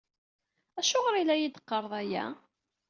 Acuɣer i la iyi-d-teqqareḍ aya?